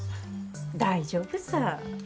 大丈夫さ。